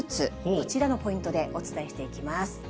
こちらのポイントでお伝えしていきます。